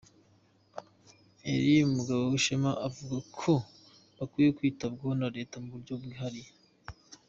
Elie Mugabowishema avuga ko bakwiye kwitabwaho na Leta mu buryo bwihariye.